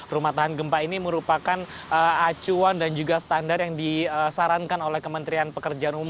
rumah tahan gempa ini merupakan acuan dan juga standar yang disarankan oleh kementerian pekerjaan umum